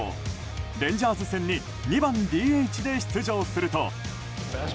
レンジャーズ戦に２番ＤＨで出場すると。